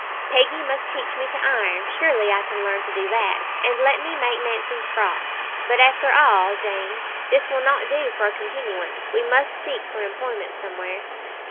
Peggy must teach me to iron surely I can learn to do that and let me make Nancy's frock. But, after all, Jane, this will not do for a continuance; we must seek for employment somewhere.